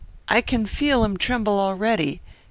"I can feel him tremble already.